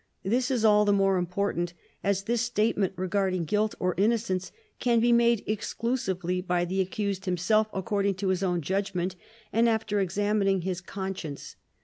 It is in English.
This is all the more important as this statement regarding guilt or innocence can be made exclusively by the accused himself according to his own judgment and after examining his conscience.